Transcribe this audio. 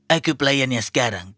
aku pelayannya sekarang